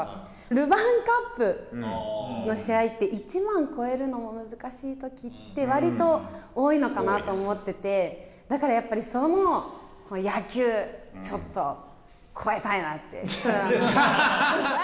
ルヴァンカップの試合って１万超えるのも難しいときって割と多いのかなと思ってて、だからやっぱり野球、ちょっと超えたいなって。